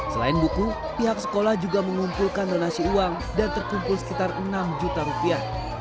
selain buku pihak sekolah juga mengumpulkan donasi uang dan terkumpul sekitar enam juta rupiah